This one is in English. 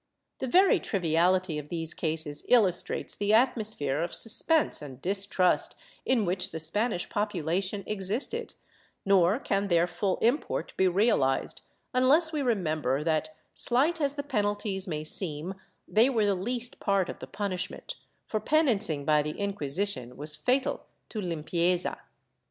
^ The very triviality of these cases illustrates the atmosphere of suspense and distrust in which the Spanish population existed, nor can their full import be realized unless we remember that, slight as the penalties may seem, they were the least part of the punishment, for penancing by the Inquisition was fatal to lim pieza.